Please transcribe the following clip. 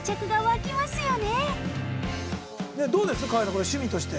これ、趣味として。